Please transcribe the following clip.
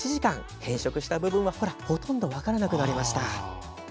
変色した部分はほとんど分からなくなりました。